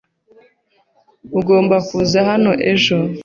Ugomba kuza hano ejo.